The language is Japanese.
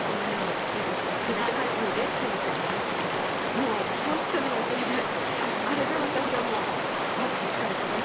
もう本当に忘れない。